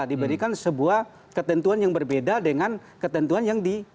diberikan sebuah ketentuan yang berbeda dengan ketentuan yang di